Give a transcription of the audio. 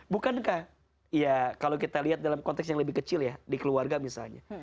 bukankah ya kalau kita lihat dalam konteks yang lebih kecil ya di keluarga misalnya